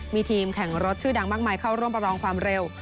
มีทีมแข่งรถชื่อดังมากมายเข้าร่วมประลองความเร็ว